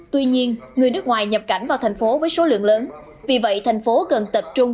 tuy nhiên người nước ngoài nhập cảnh vào thành phố với số lượng lớn vì vậy thành phố cần tập trung